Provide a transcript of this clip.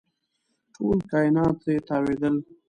ټول کاینات ترې تاوېدل.